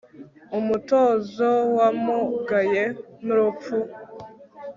Umutuzo wamugaye nurupfu